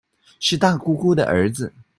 是大姑姑的兒子